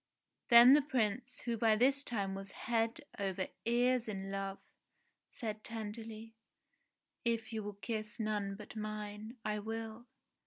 Then the Prince, who by this time was head over ears in love, said tenderly, "If you will kiss none but mine, I will."